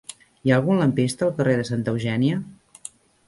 Hi ha algun lampista al carrer de Santa Eugènia?